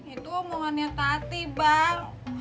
itu omongannya tadi bang